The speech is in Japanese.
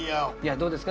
どうですか。